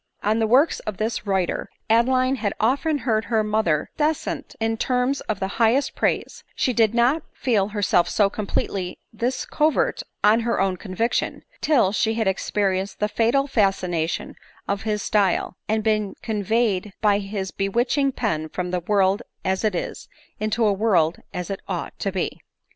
On the "works of this writer Adeline had often heard her mother descant in terms of the highest praise ; but she did not feel herself so completely his convert on her own conviction, till she had experienced the fatal fascination of his style, and been conveyed by his be witching pen from the world as it is, into a world as it ought to be.